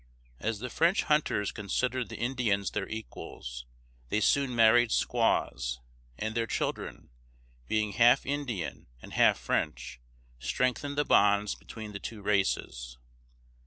As the French hunters considered the Indians their equals, they soon married squaws, and their children, being half Indian and half French, strengthened the bonds between the two races.